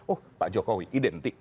oh pak jokowi identik